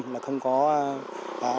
một trăm linh là không có cây giống